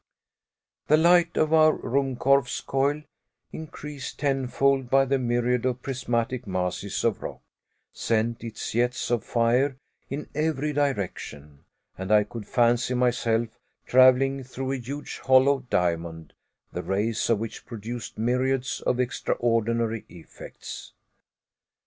The light of our Ruhmkorff's coil, increased tenfold by the myriad of prismatic masses of rock, sent its jets of fire in every direction, and I could fancy myself traveling through a huge hollow diamond, the rays of which produced myriads of extraordinary effects.